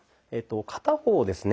片方をですね